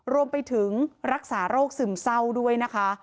รวมไปถึงรักษาโรคซึมเศร้าด้วยนะคะ